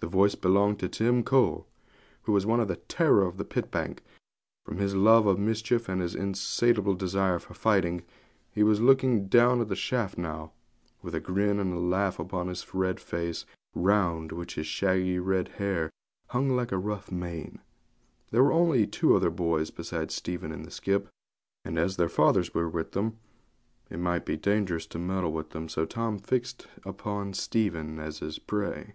The voice belonged to Tim Cole, who was the terror of the pit bank, from his love of mischief and his insatiable desire for fighting. He was looking down the shaft now, with a grin and a laugh upon his red face, round which his shaggy red hair hung like a rough mane. There were only two other boys besides Stephen in the skip, and as their fathers were with them it might be dangerous to meddle with them; so Tim fixed upon Stephen as his prey.